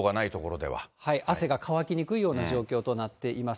汗が乾きにくいような状況となっています。